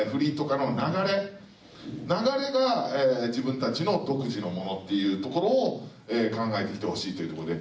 流れが自分たちの独自のものっていうところを考えてきてほしいというとこで。